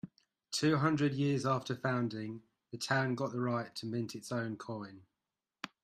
Two hundred years after founding, the town got the right to mint its own coin.